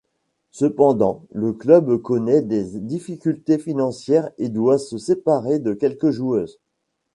Cependant le club connaît des difficultés financières et doit se séparer de quelques joueuses.